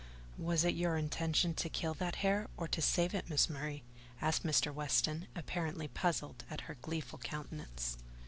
"Was it your intention to kill that hare, or to save it, Miss Murray?" asked Mr. Weston, apparently puzzled at her gleeful countenance.